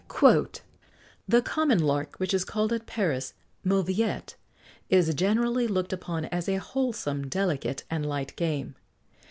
"The common lark, which is called at Paris mauviette, is generally looked upon as a wholesome, delicate, and light game.